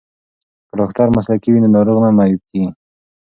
که ډاکټر مسلکی وي نو ناروغ نه معیوب کیږي.